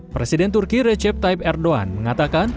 presiden turki recep tayb erdogan mengatakan